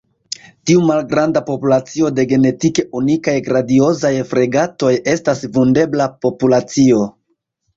Tiu malgranda populacio de genetike unikaj Grandiozaj fregatoj estas vundebla populacio.